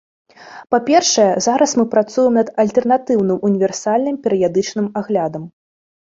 Па-першае, зараз мы працуем над альтэрнатыўным універсальным перыядычным аглядам.